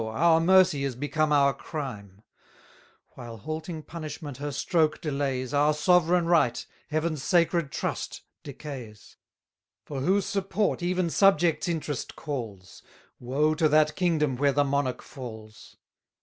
our mercy is become our crime: While halting Punishment her stroke delays, Our sovereign right, Heaven's sacred trust, decays! For whose support even subjects' interest calls, Woe to that kingdom where the monarch falls!